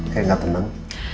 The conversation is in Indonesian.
kayak gak tenang